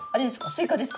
スイカですか？